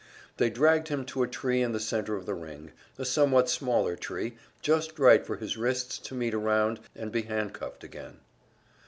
They dragged him to a tree in the center of the ring, a somewhat smaller tree, just right for his wrists to meet around and be handcuffed again.